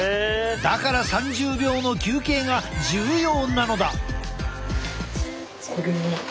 だから３０秒の休憩が重要なのだ。